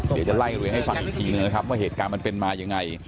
เดี๋ยวจะไล่เรียงให้ฟังอีกทีหนึ่งนะครับว่าเหตุการณ์มันเป็นมายังไง